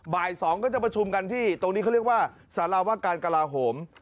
บ่าย๒ก็จะประชุมกันที่ตรงนี้เขาเรียกว่าสารวการกลาโหม